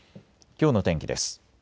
きょうの天気です。